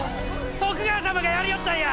徳川様がやりおったんや！